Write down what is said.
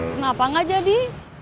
kenapa gak jadi